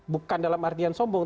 bukan dalam artian sombong